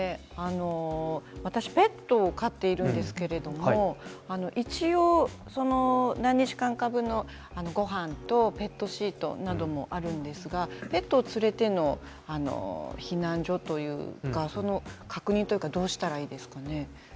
私はペットを飼っているんですけど何日間か分のごはんとペットシートなどもあるんですがペットを連れての避難所というか確認はどうしたらいいですかね。